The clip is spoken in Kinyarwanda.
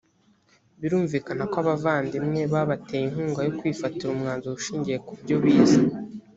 birumvikana ko abavandimwe babateye inkunga yo kwifatira umwanzuro ushingiye ku byo bize